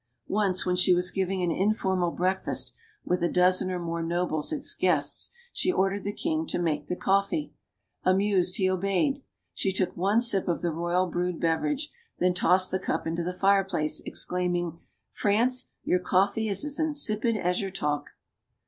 Once, when she was giving an informal breakfast with a dozen or more nobles as guests, she ordered the king to make the coffee. Amused, he obeyed. She took one sip of the royal brewed beverage, then tossed the cup into the fireplace, exclaiming: 196 STORIES OF THE SUPER WOMEN "France, your coffee is as insipid as your talk!"